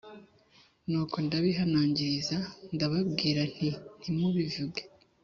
Nuko ndabihanangiriza ndababwira nti ntimubivuge